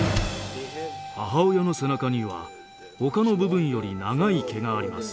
母親の背中には他の部分より長い毛があります。